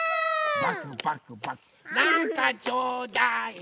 なんかちょうだい！